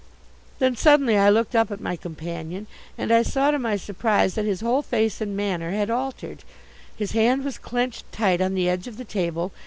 Then suddenly I looked up at my companion, and I saw to my surprise that his whole face and manner had altered. His hand was clenched tight on the edge of the table.